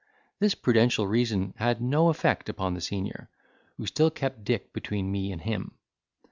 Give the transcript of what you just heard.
This prudential reason had no effect upon the senior, who still kept Dick between me and him.